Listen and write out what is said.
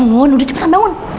bangun udah cepetan bangun